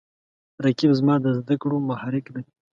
رقیب زما د زده کړو محرک دی